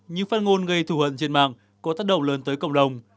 những phát ngôn gây thủ hận trên mạng có tác động lớn tới cộng đồng